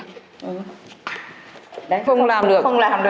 không làm được